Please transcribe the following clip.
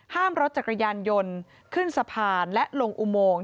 รถจักรยานยนต์ขึ้นสะพานและลงอุโมง